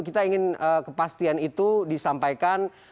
kita ingin kepastian itu disampaikan